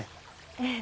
ええ。